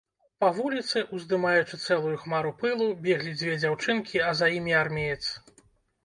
Па вуліцы, уздымаючы цэлую хмару пылу, беглі дзве дзяўчынкі, а за імі армеец.